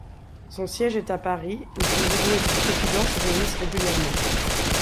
Son siège est à Paris, où son bureau et son président se réunissent régulièrement.